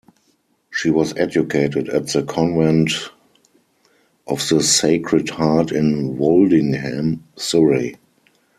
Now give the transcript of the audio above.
She was educated at the Convent of the Sacred Heart in Woldingham, Surrey.